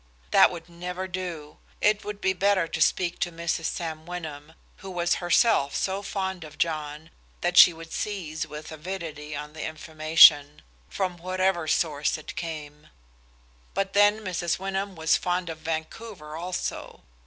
That would never do. It would be better to speak to Mrs. Sam Wyndham, who was herself so fond of John that she would seize with avidity on the information, from whatever source it came. But then Mrs. Wyndham was fond of Vancouver also.